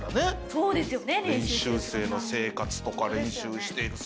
そうですね。